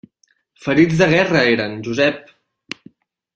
Ferits de guerra, eren, Josep!